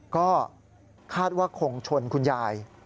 ก็คาดว่าคงชนคุณยาย